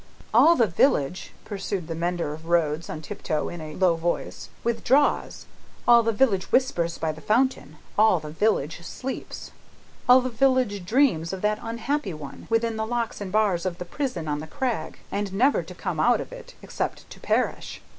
"All the village," pursued the mender of roads, on tiptoe and in a low voice, "withdraws; all the village whispers by the fountain; all the village sleeps; all the village dreams of that unhappy one, within the locks and bars of the prison on the crag, and never to come out of it, except to perish.